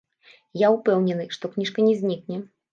Я ўпэўнены, што кніжка не знікне.